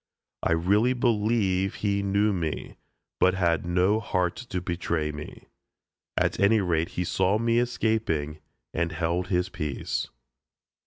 I really believe he knew me, but had no heart to betray me. At any rate he saw me escaping and held his peace.